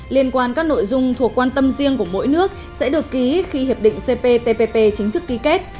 liên quan các nội dung thuộc quan tâm riêng của mỗi nước sẽ được ký khi hiệp định cptpp chính thức ký kết